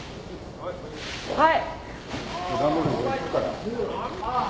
はい！